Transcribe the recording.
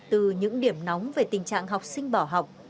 từ những điểm nóng về tình trạng học sinh bỏ học